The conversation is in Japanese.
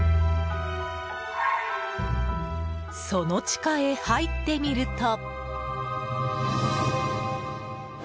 その地下へ入ってみると。